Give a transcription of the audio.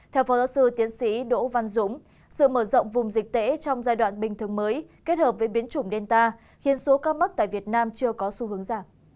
theo phó giáo sư tiến sĩ đỗ văn dũng sự mở rộng vùng dịch tễ trong giai đoạn bình thường mới kết hợp với biến chủng delta khiến số ca mắc tại việt nam chưa có xu hướng giảm